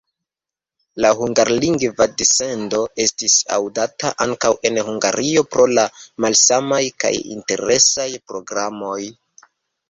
La hungarlingva dissendo estis aŭdata ankaŭ en Hungario pro la malsamaj kaj interesaj programoj.